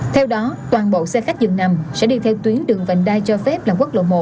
theo đó toàn bộ xe khách dường nằm sẽ đi theo tuyến đường vành đai cho phép là quốc lộ một